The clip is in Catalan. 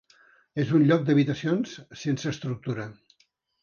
És un lloc d'habitacions sense estructura.